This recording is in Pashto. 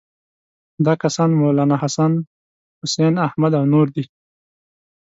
دا کسان مولناحسن، حسین احمد او نور دي.